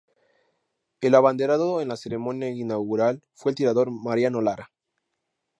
El abanderado en la ceremonia inaugural fue el tirador Mariano Lara.